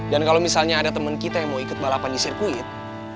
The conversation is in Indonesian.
dan kalo misalnya ada temen kita yang mau ikut balapan di sirkuit